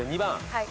はい。